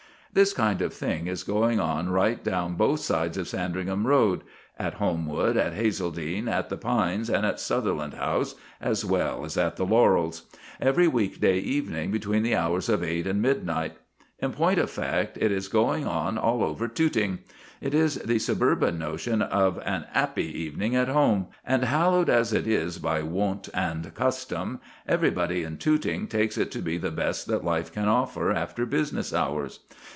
This kind of thing is going on right down both sides of Sandringham Road at Holmwood, at Hazledene, at The Pines, and at Sutherland House, as well as at The Laurels every week day evening between the hours of eight and midnight. In point of fact, it is going on all over Tooting. It is the suburban notion of an 'appy evening at home; and, hallowed as it is by wont and custom, everybody in Tooting takes it to be the best that life can offer after business hours.